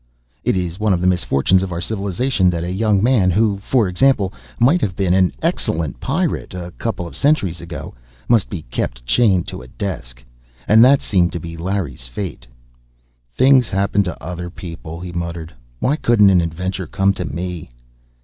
It is one of the misfortunes of our civilization that a young man who, for example, might have been an excellent pirate a couple of centuries ago, must be kept chained to a desk. And that seemed to be Larry's fate. "Things happen to other people," he muttered. "Why couldn't an adventure come to me?"